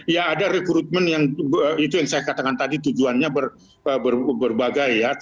ya ada rekrutmen yang itu yang saya katakan tadi tujuannya berbagai ya